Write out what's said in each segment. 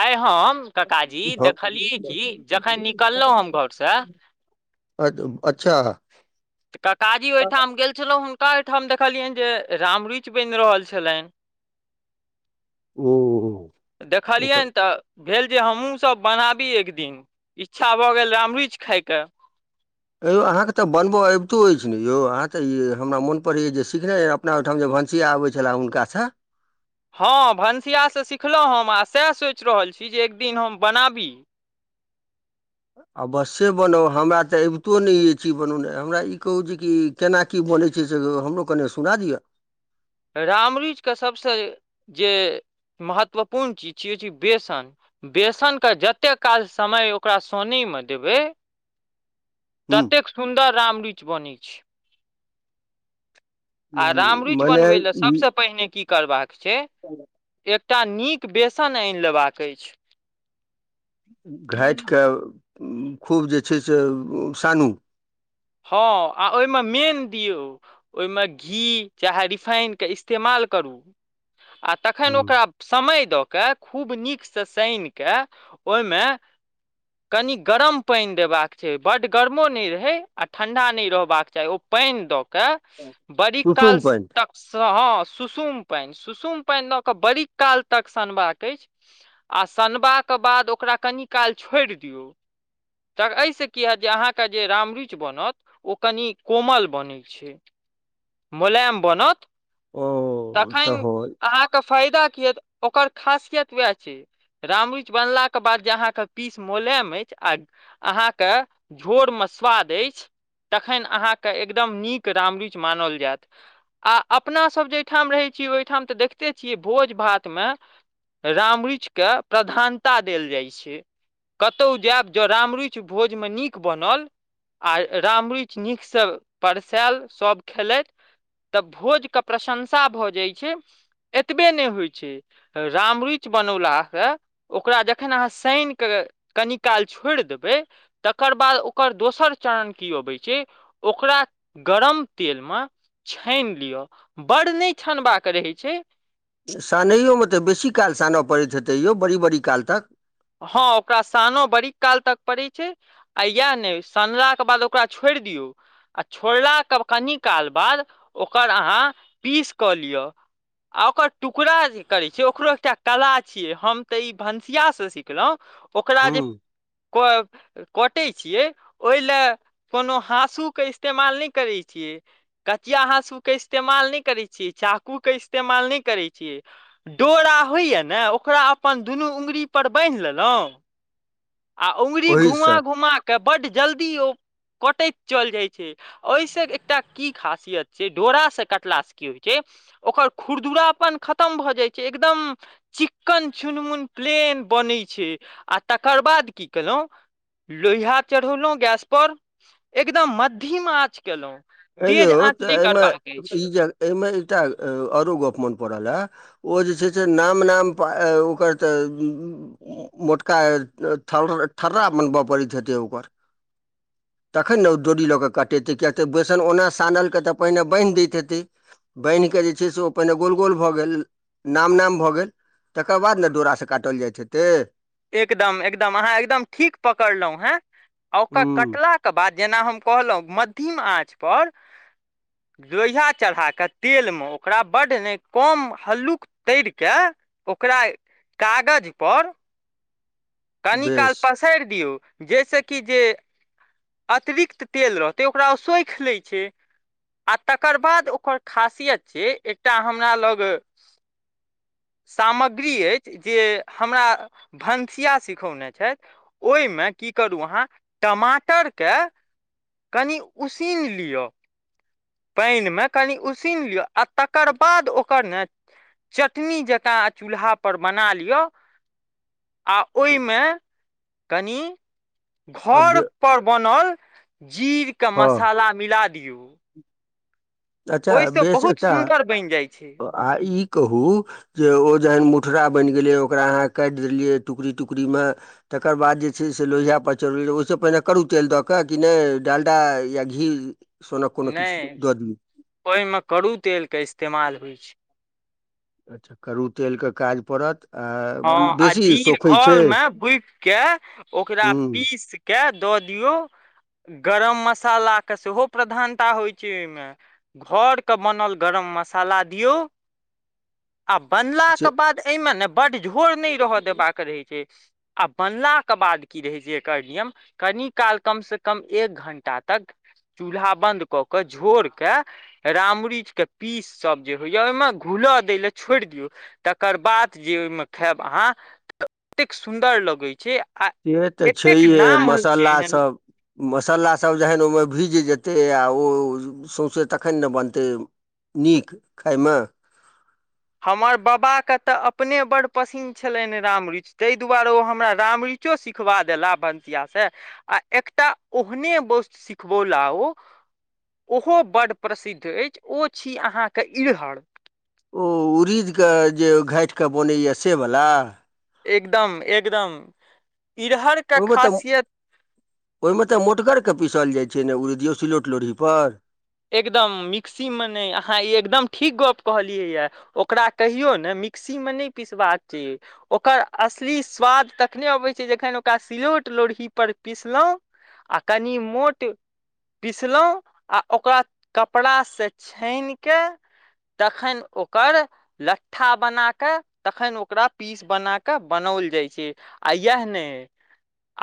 आइ हम काकाजी हँ देखलियै कि जखन निकललहुँ हम घर सँ अच्छा काकाजी ओहिठाम गेल छलहुँ हम हुनका ओहिठाम देखलियनि जे रामरूचि बनि रहल ओ छलैनि ओकर- देखलियैन तऽ भेल जे हमहूँसभ बनाबी एक दिन इच्छा भऽ गेल रामरुइच खायके यौ अहाँकेँ तऽ बनबय अबितो अछि ने यौ अहाँ तऽ ई हमरा मोन पड़ैए जे सिखने अपना ओहिठाम जे भनसिया आबै छले हुनकासँ हँ भनसिया सँ सिखलहुँ हम हँ सैह सोचि रहल छी जे एक दिन हम बनाबी अबश्ये से बनाउ हमरा तऽ अबितो नहि ई बनोनाइ हमरा ई कहू जे कि केना की बनै छै से हमरो कने सुना दिअ रामरुइच के सभसँ जे महत्वपूर्ण चीज छै ओ छै बेसन बेसनके जतेक काल समय ओकरा सनैमे देबै हूँ ततेक सुन्दर रामरुइच बनै छै आ यानि रामरुइच मने बनबै लए ई सभसँ पहिने की करबाक छै एक एकटा नीक बेसन आनि लेबाक अछि घैटिके खूब जे छै से सानू हँ आ ओयमे मेन दियौ ओयमे घी चाहे रिफाइन के इस्तेमाल करू आ तखन हूँ, ओकरा समय दऽ के खूब नीकसँ साइन के ओहिमे कनि गरम पानि देबाक छै बड गरमो नहि रहै आ ठंडा न रहबाक चाही ओ पानि द के के बड़ी काल सुसुम पानि तक हँ सुसुम पानि सुसुम पानि दऽ कऽ बड़ीकाल तक सनबाक अछि आ सनबाक बाद ओकरा कनि काल छोड़ि दियौ तऽ एहिसँ की हैत जे अहाँके जे रामरुइच बनत ओ कनि कोमल बनैत छै मोलेयम बनत ओ तऽ तखन हँ अहाँके फायदा ओकर खासियतह वैह छै रामरुइच बनला के बाद जे अहाँके पीस मोलायम अछि आ अहाँके झोर मे स्वाद अछि तखन अहाँके एकदम नीक रामरुइच मानल जायत आ अपना सब जे ठाम रहै छी, ओय ठाम ते देखते छियै भोज भात मे राम रुएच के प्रधानता देल जाय छै, कतौ जाएब ज राम रुएच भोज मे नीक बनल आ राम रुएच नीक से परसाएल सब खेलैथ तऽ भोज के प्रशं सा भऽ जाय छै, एतबे ने होय छै, राम रुएच बनौला से ओकरा जखन अहाँ सेएन के कनि काल छोड़ देबै तकर बाद ओकर दोसर चरण की अबै छै, ओकरा गरम तेल मे छैन लियो। बड़ ने छनबाक रहै छै। सानैओ मेंमे तऽ बेसी काल सानय पड़ैत हेतै यौ बड़ी बड़ी काल तक हाँ ओकरा सानो बड़ी काल तक पड़ै छै आ इहाए ने सानला के बाद ओकरा छोड़ दियौ आ छोड़ला के कनि काल बाद ओकर अहाँ पीस कऽ लियो आ ओकर टुकड़ा जे करै छीये, ओकरो एकटा कला छियै हम ते ई भनसिया से सीख कैलो। ओकरा जे हूँ क अ कटै छियै ओय ले कोनो हाँसू के इस्तमाल ने करै छियै, कचिया हाँसू के इस्तेमाल ने करै छिये, चाकू के इस्तेमाल ने करै छियै, डोरा होय या ने ओकरा अपन दुनू उंगरी पर बैन्ह लेलौ। आ उंगुरी ओहीसँ घुमा-घुमा के बड्ड जल्दी ओ कटैत चल जाय छै, ओय से एकटा की खासियत छै डोरा से कटला से की होय छै, ओकर खुरदुरापन खतम भऽ जाय छै, एकदम चिक्कन चुनमुन प्लेन बनै छै आ त कर बाद की केलौं लोहिया चढ़ौलौं गैस पर, एगदम मधीम आँच केलौं हेयौ तऽ ए मे ई या एमे एकटा आरो गप्प मन पड़ल ए। ओ जे छै छै नाम नाम प ए ओकर ते मोटका थर थरा बनबाय पड़ैत हेतै ओकर, तखन ने ओ डोरी लऽ के काटेतै किया ते बे सन ओना सानलके ते पहिने बैन्ह दैत हेतै, बैन्हके जे छै से ओ पहिने गोल गोल भऽ गेल, नाम नाम भऽ गेल, तकर बाद ने डोरा से काटल जाएत हेतै। एकदम एकदम अहाँ एकदम ठीक पकड़लौं हैं, ओकर हूँ कटला के बाद जेना हम कहलौं म धिम आँच पर लोहिया चढ़ा के तेल मे ओकरा बड्ड ने कम हल्लुक तैर कै ओकरा कागज पर कनिकाल बेस पसार दियौ। जैसे कि जे अतरिक्त तेल रहतै ओकरा उ सौएख लै छै आ तकर बाद ओकर खासियत छै, एकटा हमरा लग सामग्री ए जे हमरा भंसिया सिखौने छै, ओय मे की करु अहाँ टमाटर के कनि उसीन लियो। पेएन मे कनि उसिन लियौ आ तकर बाद ओकर ने चटनी जकाँ चूल्हा पर बना लियो आ ओय मे कनि घर पर बनल जीर के हँ मसाला मिला दियौ। अच्छा ओहिसँ बेस बहुत एकटा सुन्दर बनि जाइ छै आ ई कहू जे ओ जहन मु टरा बैन गेलै, ओकरा अहाँ काट देलियै टुकड़ी-टुकड़ी मे तकर बाद जे छै से लोहिया पर चढोलियै, ओय से पहिने करू तेल दऽ के की ने डाल्डा या घी सोना कोनो किछ दऽ दियौ। ओय मे करु तेल के इस्तेमाल होय छै। अच्छा करु तेल के काज पड़त। आ हाँ आ बेसी जीर सोखै छै खलमे बुइक के ओकरा हूँ पीस के द दियौ, गरम मसाला के सेहो प्रधानता होय छै ओय मे, घर के बनल गरम मसाला दियौ। आ बनला से के बाद ए मे नै बड्ड झोर ने रहा देबाक रहै छै। आ बनला के बाद की रहै छै एकर नियम कनि काल कम से कम एक घण्टा तक चूल्हा बन्द कऽ कै झोर के रामरीच के पीस सब जे होय या ओय मे घुलय दै ले छोड़ दियौ तकर बाद जे ओय मे खाएब अहाँ त एतेक सुन्दर लगै छै। आ से तऽ एतेक छैहे नाम होइत छै मसाला एहन सभ मसालासभ जखन ओहिमे भीज जेतै आ ओ सौँसे तखन ने बनतै नीक खायमे हमर बबा के ते अपने बड्ड पसिन्न छलैन रामरिच तै दुआरे ओ हमरा रामरिचो सिखबा देला भनसिया से आ एकटा ओहने बोस सिखबौला ओ ओहो बड्ड प्रसिद्ध एछ, ओ छी अहाँ के इरहड़। ओ उड़ीद के जे धैट के बनैय से बला एकदम एकदम इरहरके ओहिमे तऽ खासियत ओहिमे तऽ मोटगरके पिसल जाइत छै ने उड़िद यौ सिलौट लोढ़ीऽ पर एकदम मिक्सी में नहि अहाँ ई एकदम ठीक गप्प कहलियैए ओकरा कहियौ ने मिक्सी में नहि पिसबाक छै ओकर असली स्वाद तखने अबैत छै जखन ओकरा सिलौट लोढ़हीपर पिसलहुँ आ कनि मोट पिसलहुँ आ ओकरा कपड़ा से छानिकऽ तखन ओकर लट्ठा बनाकऽ तखन ओकरा पीस बनाके बनाओल जाइ छै आ इएह नहि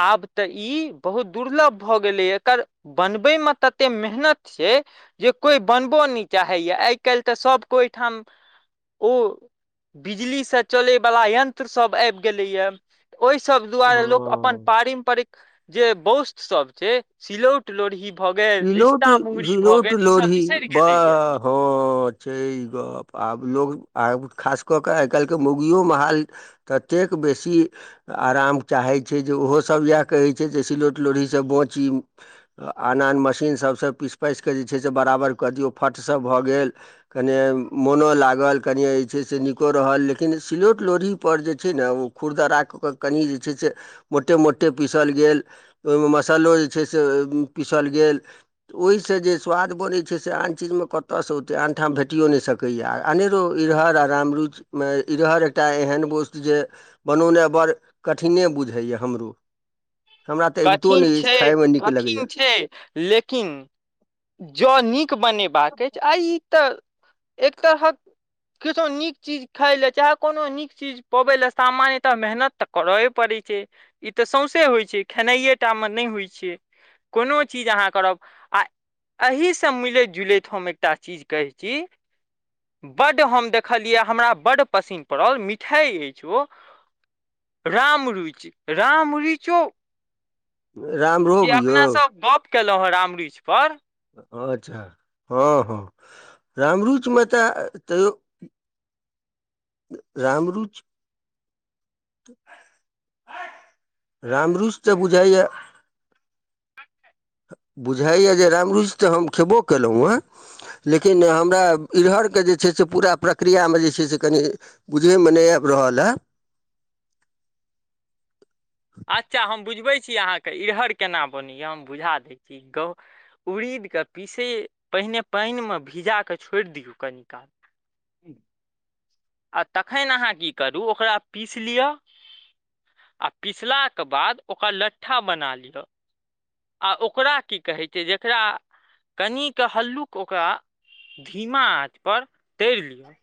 आब तऽ ई बहुत दुर्लभ भऽ गेलैय एकर बनबै मे तते मेहनत से जे कोइ बनबो नहि चाहैए आइ काल्हि तऽ सभके ओहिठाम ओ बिजलीसँ चलयवला यन्त्र सब आबि गेलैए ओहि सब ओ दुआरे लोक अपन पारम्परिक जे वोस्त सब छै सिलौट लोढ़ी भऽ गेल सिलौट मुंगरी भऽ सिलौट गेल ईसभ लोढ़ी बिसरि गेलैए पर ह छै ई गप आब लोग आ खास कऽ कऽ आइकाल्हिके मौगियो महाल ततेक बेसी आराम चाहै छै जे ओहो सब इएह कहै छै जे सिलोट लोढ़ीसँ बाँची आन-आन मशीन सबसँ पिस-पाइस कऽ जे छै से बराबर कऽ दियौ फट स भऽ गेल कनि मोनो लागल कनि जे छै से नीको रहल लेकिन सिलोट लोढ़ी पर जे छै ने ओ खुरदराऽ कऽ कनि जे छै से मोटे मोटे पीसल गेल ओहिमे मसलो जे छै से पिसल गेल ओहिसँ जे स्वाद बनै छै से आन चीजमे कतयसँ ओतै आन ठाम भेटिओ नहि सकैए आ अनेरो इरहड़ आ रामरुइच मे इरहड़ एकटा एहन वोस्त जे बनौनाइ बड़ कठिने बुझाइए हमरो हमरा तऽ अबितो कठिन नहि अछि छै खायमे नीक कठिन लगैए छै लेकिन जँ नीक बनेबाक अछि आ ई तऽ एक तरह किछो नीक चीज खाय ले चाहे कोनो नीक चीज पबै ले सामान्य तऽ मेहनत तऽ करे पड़े छै ई तऽ सौंसे होइ छै खेनाइए टा में नहि होइ छै कोनो चीज अहाँ करब आ एहिसँ मिलैत जुलैत हम एकटा चीज कहैत छी बड्ड हम देखलियै हमरा बड्ड पसिन् पड़ल मिठाइ अछि ओ रामरुइच रामरुइचो रामभोग यौ गप केलहुँ हँ रामरुइच पर अच्छा हँ हँ रामरुइच में तऽ तैयो रामरुच रामरुच तऽ बुझाइये बुझाइए जे रामरुइच तऽ हम खेबो केलौं हेँ लेकिन हमरा इड़हर के जे छै से पूरा प्रक्रिया में जे छै से कनि बुझयमे नहि आबि रहल हँ अच्छा हम बुझबै छी अहाँके इरहड़ केना बनैय हम बुझा दै छी कह उड़ीद के पीसे पहिने पाइन में भीजा के छोइर दियौ कनि काल तखन अहाँ की करू ओकरा पीस लियआ पिसलाके बाद ओकरा लट्ठा बना लिअ आ ओकरा की कहै छै जकरा कनिक हल्लुक ओकरा धीमा आँच पर तरि लिअ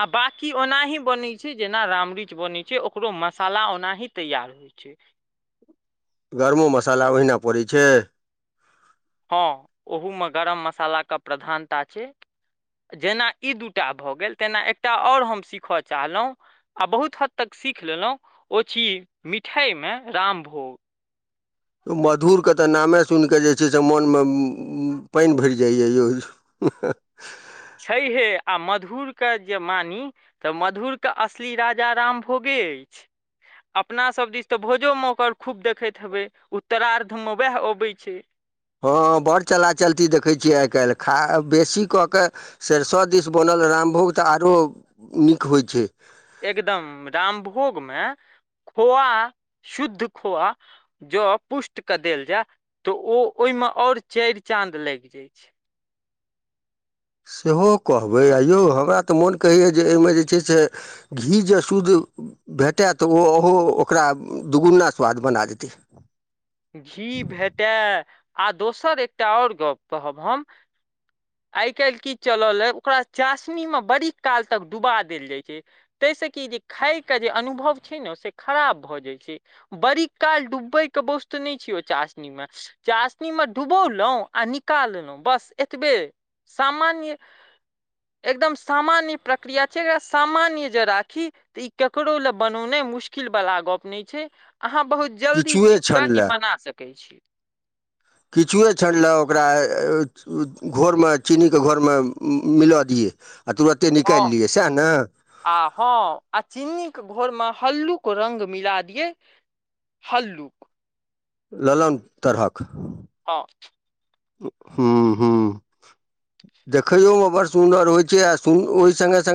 आ बाँकी ओनाही बनै छै जेना रामरुइच बनै छै ओकरो मसाला ओनाही तैयार होइ छै गरमो मसाला ओहिना पड़ै छै हँ ओहूमे गरम मसालाके प्रधानता छै जेना ई दू टा भऽ गेल तेना एकटा आओर हम सीखय चाहलहुँ आ बहुत हद तक सीख लेलहुँ ओ छी मिठाइमे रामभोग मधुरके तऽ नामे सुनि कऽ जे छै से मोनमे पानि भरि जाइए यौ छैहे आ मधुरके जे मानी तऽ मधुरके असली राजा रामभोगे अछि अपनासभ दिस तऽ भोजोमे ओकर खूब देखैत हेबै उत्तरार्धमे उएह अबैत छै हँ बड़ चला चलती देखै छियै आइ काल्हि खा बेसी कऽ कऽ सरिसो दिस बनल रामभोग तऽ आरो नीक होइ छै एकदम रामभोगमे खोआ शुद्ध खोआ जँ पुष्टकेँ देल जाय तऽ ओ ओहिमे आओर चारि चाँद लागि जाइत छै सेहो कहबै आ यौ हमरा तऽ मोन कहैए जे एहिमे जे छै से घी जे शुद्ध भेटय तऽ ओ ओहो ओकरा दुगुना स्वाद बना देतै घी भेटै आ दोसर एकटा आओर गप कहब हम आइ काल्हि की चलल अइ ओकरा चासनीमे बड़ी काल तक डुबा देल जाइत छै ताहिसँ कि जे खायके जे अनुभव छै ने से खराब भऽ जाइत छै बड़ीक काल डूबैके वस्तु नहि छै ओ चासनीमे चासनीमे डूबौलहुँ आ निकालहुँ बस एतबे सामान्य एकदम सामान्य प्रक्रिया छै एकरा सामान्य जे राखी तऽ ई ककरो लेलए बनौनाइ मुश्किलवला गप्प नहि छै अहाँ बहुत जल्दी किछुए सीख क छानि ई लए बना सकैत छी। किछुए क्षनि लए ओकरा घरमे चीनीके घरमे मिलय दियै। आ तुरते निकालि हँ लियै सएह ने आ हँ आ चीनीे घ़ौरमे हल्लूक रङंग मिला दियए हल्लूक। ललन तरहक हँ। ह ह देखैयोमे बड़ सुन्दर होइत छै आ सु ओहि से से